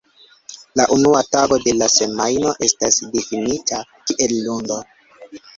La unua tago de la semajno estas difinita kiel lundo.